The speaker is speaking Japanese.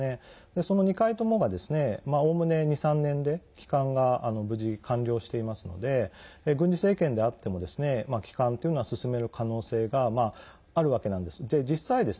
その２回ともがですねおおむね２３年で帰還が無事完了していますので軍事政権であっても帰還というのは進める可能性があるわけなんです。